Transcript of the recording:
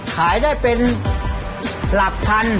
ขายได้เป็นหลักพัน